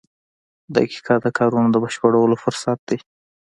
• دقیقه د کارونو د بشپړولو فرصت دی.